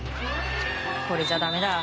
これじゃだめだ。